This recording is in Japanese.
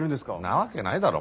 なわけないだろ。